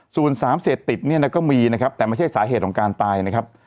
ส่วนสารเสพติดเนี่ยนะก็มีนะครับแต่ไม่ใช่สาเหตุของการตายนะครับ